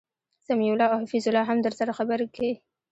سمیع الله او حفیظ الله هم درسره خبرکی